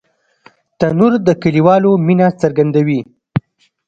تنور د کلیوالو مینه څرګندوي